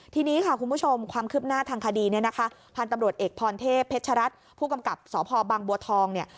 ทีนี้ค่ะคุณผู้ชมความคืบหน้าทางคดีเนี่ยนะคะพันธุ์ตำรวจเอกพรเทพเพชรัตน์ผู้กำกับสพบังบัวทองเนี่ย